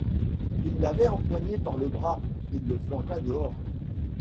Il l’avait empoigné par le bras, il le flanqua dehors.